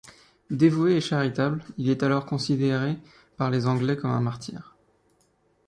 Dévoué et charitable, il est alors considéré par les Anglais comme un martyr.